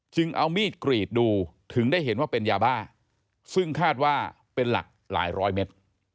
เอามีดกรีดดูถึงได้เห็นว่าเป็นยาบ้าซึ่งคาดว่าเป็นหลักหลายร้อยเมตร